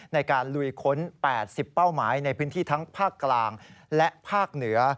ในการลุยค้น๘๐เป้าหมายในพื้นที่ทั้งภาคกลางและภาคเหนือ